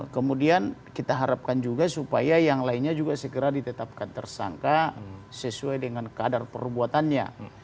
kemudian kita harapkan juga supaya yang lainnya juga segera ditetapkan tersangka sesuai dengan kadar perbuatannya